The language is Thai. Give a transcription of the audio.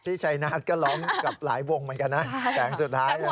ชัยนาธก็ร้องกับหลายวงเหมือนกันนะแสงสุดท้าย